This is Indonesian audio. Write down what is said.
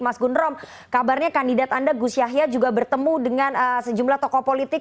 mas gundrom kabarnya kandidat anda gus yahya juga bertemu dengan sejumlah tokoh politik